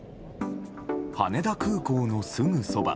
羽田空港のすぐそば